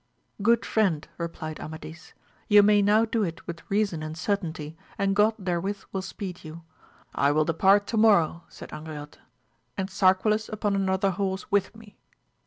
Good friend, replied Amadis, you may now do it with reason and certainty, and God therewith will speed you. I will depart to morrow, said Angriote, and Sarquiles upon another horse with me.